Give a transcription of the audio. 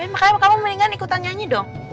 makanya kamu mendingan ikutan nyanyi dong